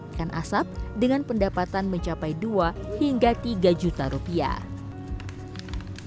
ikan asap dengan pendapatan mencapai dua hingga tiga juta rupiah